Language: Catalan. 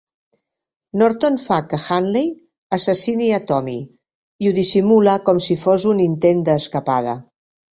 Norton fa que Hadley assassini a Tommy i ho dissimula com si fos un intent d'escapada.